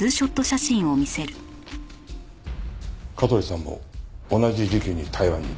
香取さんも同じ時期に台湾に行っていた。